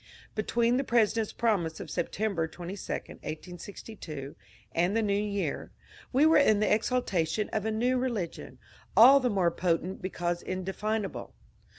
Between the President's promise of September 22, 1862, and the New Year, we were in the exaltation of a new re ligion, all the more potent because indefinable.